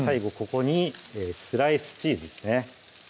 ここにスライスチーズですね